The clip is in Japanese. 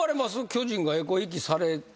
巨人がえこひいきされてたって。